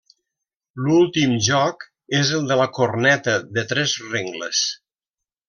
L'últim joc és el de la Corneta de tres rengles.